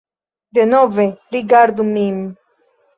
Denove rigardu min.